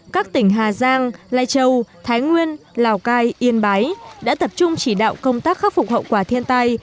các tỉnh hà giang lai châu thái nguyên lào cai yên bái đã tập trung chỉ đạo công tác khắc phục hậu quả thiên tai